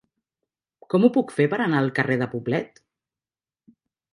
Com ho puc fer per anar al carrer de Poblet?